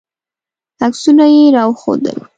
عکسونه یې راوښودل.